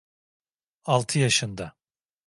Altı yaşında.